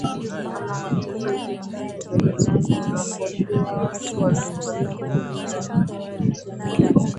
sisi kama watetezi wa haki za binadamu tunagojea watu walifanya hiyo kitendo waweze ku